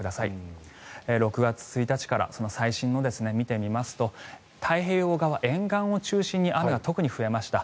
６月１日から最新のを見てみますと太平洋側沿岸を中心に雨が特に増えました。